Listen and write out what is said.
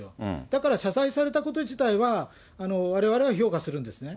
だから、謝罪されたこと自体は、われわれは評価するんですね。